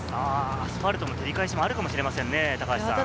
アスファルトの照り返しもあるかもしれませんね。